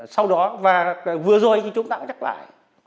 sau đó và vừa rồi thì chúng ta cũng nhắc lại